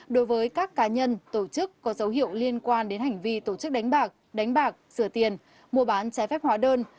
đối với các cá nhân tổ chức có dấu hiệu liên quan đến hành vi tổ chức đánh bạc đánh bạc sửa tiền mua bán trái phép hóa đơn